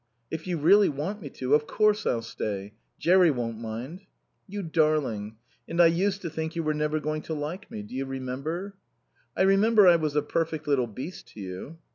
"If you really want me to, of course I'll stay. Jerry won't mind." "You darling... And I used to think you were never going to like me. Do you remember?" "I remember I was a perfect little beast to you."